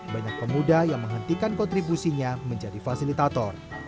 banyak pemuda yang menghentikan kontribusinya menjadi fasilitator